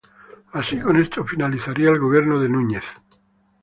Así con esto finalizaría el gobierno de Núñez.